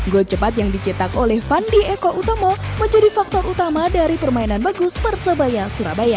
gol cepat yang dicetak oleh fandi eko utomo menjadi faktor utama dari permainan bagus persebaya surabaya